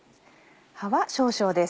葉は少々です。